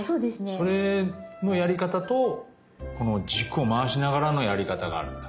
それのやり方とこの軸を回しながらのやり方があるんだ。